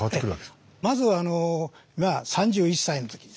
まずはあの３１歳の時ですね